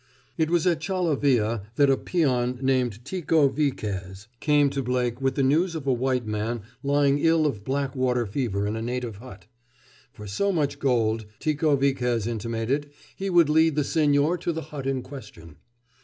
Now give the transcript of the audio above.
It was at Chalavia that a peon named Tico Viquez came to Blake with the news of a white man lying ill of black water fever in a native hut. For so much gold, Tico Viquez intimated, he would lead the señor to the hut in question.